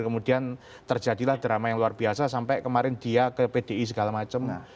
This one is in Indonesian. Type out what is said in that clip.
kemudian terjadilah drama yang luar biasa sampai kemarin dia ke pdi segala macam